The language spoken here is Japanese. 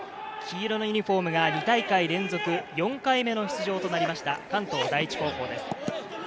黄色のユニホームが２大会連続４回目の出場になりました、関東第一高校です。